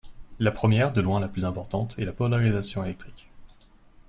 La première, de loin la plus importante, est la polarisabilité électronique.